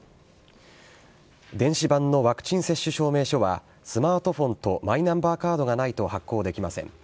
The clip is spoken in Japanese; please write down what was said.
電子版のワクチン接種証明書は、スマートフォンとマイナンバーカードがないと発行できません。